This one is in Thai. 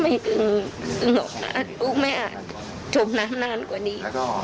ไม่ตึงออกนานลูกไม่อาจชมน้ำนานกว่านี้